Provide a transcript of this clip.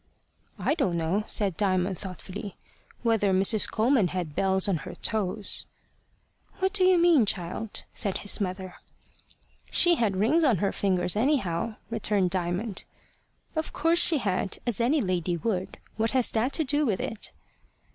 "I don't know" said Diamond thoughtfully, "whether Mrs. Coleman had bells on her toes." "What do you mean, child?" said his mother. "She had rings on her fingers, anyhow," returned Diamond. "Of course she had, as any lady would. What has that to do with it?"